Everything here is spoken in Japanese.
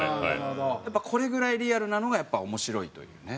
やっぱりこれぐらいリアルなのが面白いというね。